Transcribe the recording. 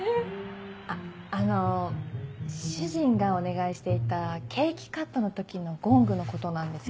あっあの主人がお願いしていたケーキカットの時のゴングのことなんですけど。